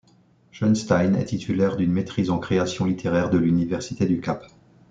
Schonstein est titulaire d'une maîtrise en création littéraire de l'Université du Cap.